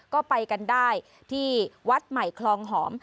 ก็ไปกันได้ที่วัดใหม่คลองหอม